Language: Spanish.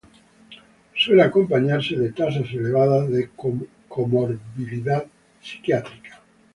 Suele acompañarse de tasas elevadas de comorbilidad psiquiátrica.